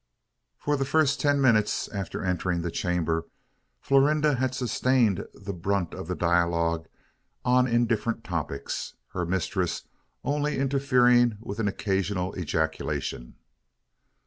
For the first ten minutes after entering the chamber, Florinda had sustained the brunt of the dialogue on indifferent topics her mistress only interfering with an occasional ejaculation.